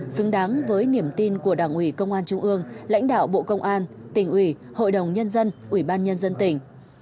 xứng đáng với niềm tin của đảng ủy công an trung ương lãnh đạo bộ công an tỉnh ủy hội đồng nhân dân ủy ban nhân dân tỉnh